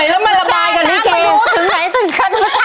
คือแกไม่รู้ถึงไหนถึงคน